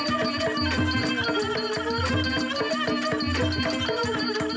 คนหนาที่สนุกของชมจะเฮ็ดิน